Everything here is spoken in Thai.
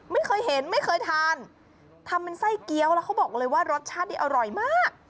ไม่เคยเห็นไม่เคยทานทำเป็นไส้เกี้ยวแล้วเขาบอกเลยว่ารสชาตินี้อร่อยมาก